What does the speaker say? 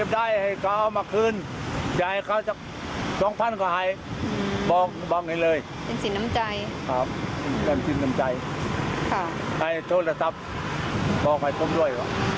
โดยนายแผนก็เล่าให้ฟังด้วย